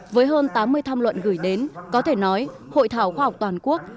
với hơn tám mươi tham luận gửi đến có thể nói hội thảo khoa học toàn quốc